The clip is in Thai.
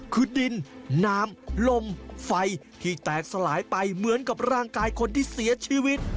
คือดินน้ำลมไฟที่แตกสลายไปเหมือนกับร่างกายคนที่เสียชีวิต